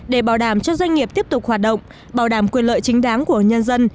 để bảo đảm cho doanh nghiệp tiếp tục hoạt động bảo đảm quyền lợi chính đáng của nhân dân